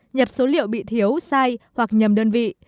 nhập số liệu bị thiếu sai hoặc nhầm đơn vị